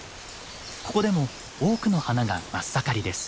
ここでも多くの花が真っ盛りです。